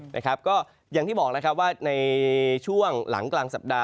นะครับก็อย่างที่บอกแล้วครับว่าในช่วงหลังกลางสัปดาห